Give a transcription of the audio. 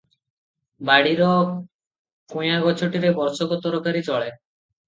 ବାଡ଼ିର କୟାଁ ଗଛଟିରେ ବର୍ଷକ ତରକାରି ଚଳେ ।